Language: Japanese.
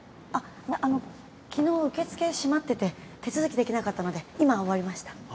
あっあの昨日受付閉まってて手続きできなかったので今終わりました。